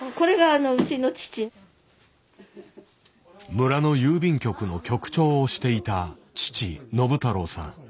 村の郵便局の局長をしていた父信太郎さん。